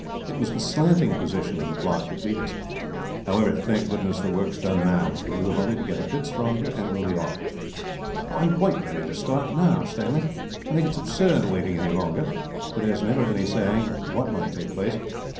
It was the slanting position of the block that beat us. However, thank goodness, the work is done now; and you have only to get a bit stronger, and we will be off." "I am quite ready to start now, Stanley. I think it is absurd waiting any longer, for there is never any saying what might take place.